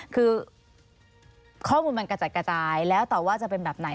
คือข้อมูลมันกระจัดกระจายแล้วต่อว่าจะเป็นแบบไหน